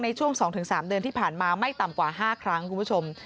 ในช่วง๒๓เดือนที่ผ่านมาไม่ต่ำกว่า๕ครั้งคุณผู้ชม